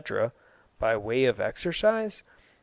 (by way of exercise?)